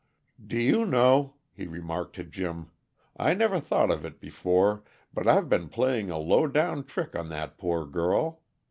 "Do you know," he remarked to Jim, "I never thought of it before, but I've been playing a low down trick on that poor girl.